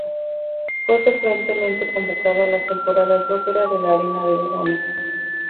Fue frecuentemente convocado a las temporadas de ópera de la Arena de Verona.